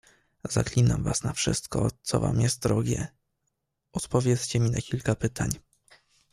"Zaklinam was na wszystko, co wam jest drogie, odpowiedzcie mi na kilka pytań."